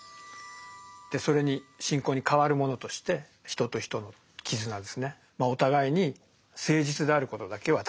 でそれに信仰に代わるものとして人と人の絆ですねお互いに誠実であることだけは大切にしようじゃないかと。